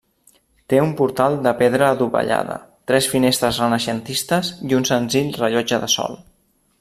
Té un portal de pedra adovellada, tres finestres renaixentistes i un senzill rellotge de sol.